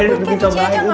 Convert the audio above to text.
ini bikin cobain